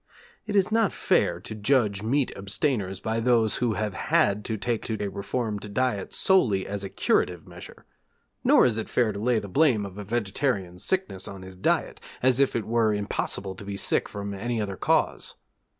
It is not fair to judge meat abstainers by those who have had to take to a reformed diet solely as a curative measure; nor is it fair to lay the blame of a vegetarian's sickness on his diet, as if it were impossible to be sick from any other cause.